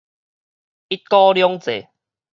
一國兩制